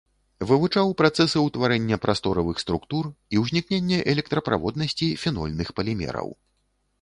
Вывучаў працэсы ўтварэння прасторавых структур і ўзнікнення электраправоднасці фенольных палімераў.